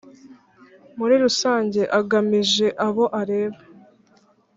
murirusange agamije abo areba